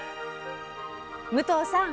武藤さん